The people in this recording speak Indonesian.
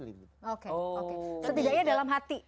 oke oke setidaknya dalam hati